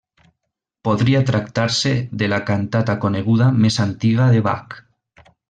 Podria tractar-se de la cantata coneguda més antiga de Bach.